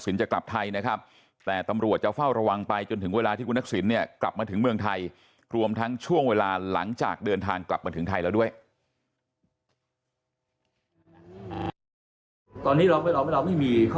สมมติฐานต่างถ้ามีอะไรเราก็ต้องทำให้ดีที่สุดนะครับ